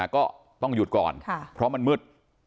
ก็ต้องหยุดก่อนเพราะมันมืด